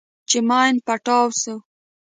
چې ماين پټاو سو.